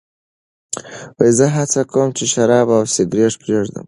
زه هڅه کوم چې شراب او سګرېټ پرېږدم.